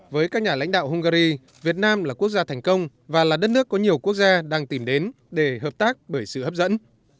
với các nhà lãnh đạo hungary việt nam là quốc gia thành công và là đất nước có nhiều quốc gia đang tìm đến để hợp tác bởi sự hấp dẫn